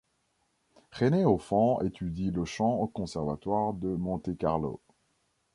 Renée Auphan étudie le chant au conservatoire de Monte-Carlo.